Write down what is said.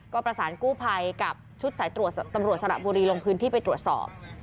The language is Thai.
ก็ประสานกู้ภัยกับชุดสายตรวจตำรวจสระบุรีลงพื้นที่ไปตรวจสอบ